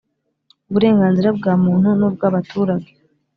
Uburenganzira bwa muntu n ubw abaturage